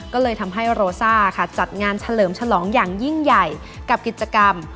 ก็เลยทำให้โรซ่าค่ะจัดงานเฉลิมฉลองอย่างยิ่งใหญ่กับกิจกรรม